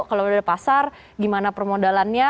kalau udah ada pasar gimana permodalannya